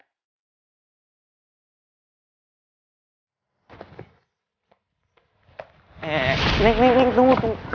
eeeh neng neng neng tunggu tunggu